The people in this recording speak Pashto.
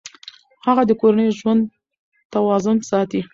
هغه د کورني ژوند توازن ساتي.